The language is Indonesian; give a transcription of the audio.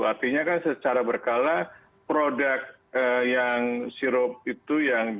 artinya kan secara berkala produk yang sirup itu yang